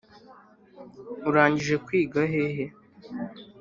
urangije kwiga hehe?